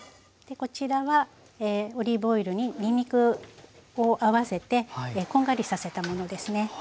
こちらはオリーブオイルににんにくを合わせてこんがりさせたものですね。